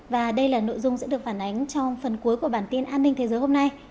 và đây là nội dung sẽ được phản ánh trong phần cuối của bản tin an ninh thế giới hôm nay